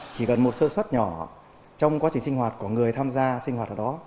chỉ cần một sơ suất nhỏ trong quá trình sinh hoạt của người tham gia sinh hoạt ở đó